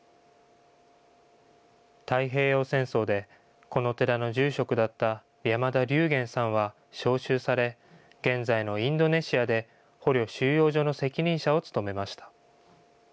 太平洋戦争で、この寺の住職だった山田隆元さんは召集され、現在のインドネシアで捕虜収容所の責任者を務めました。